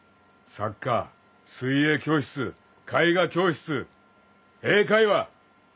サッカー水泳教室絵画教室英会話。